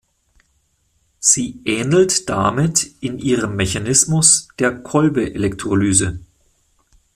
Sie ähnelt damit in ihrem Mechanismus der Kolbe-Elektrolyse.